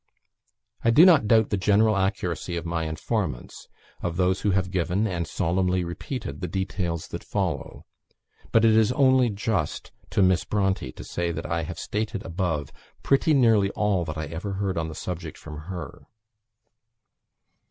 I do not doubt the general accuracy of my informants, of those who have given, and solemnly repeated, the details that follow, but it is only just to Miss Bronte to say that I have stated above pretty nearly all that I ever heard on the subject from her.